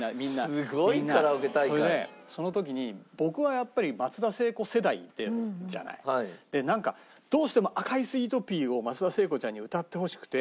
それでその時に僕はやっぱり松田聖子世代じゃない？どうしても『赤いスイートピー』を松田聖子ちゃんに歌ってほしくて。